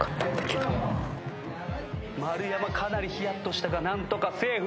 丸山かなり冷やっとしたが何とかセーフ。